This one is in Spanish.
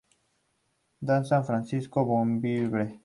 Bazán Francisco Bembibre.